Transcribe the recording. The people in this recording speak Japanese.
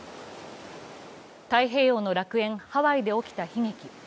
太平洋の楽園、ハワイで起きた悲劇。